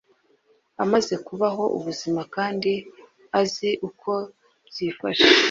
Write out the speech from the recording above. amaze kubaho ubuzima kandi azi uko byifashe